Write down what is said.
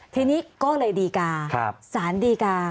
ทีนี้ก็เลยดีกาสารดีกา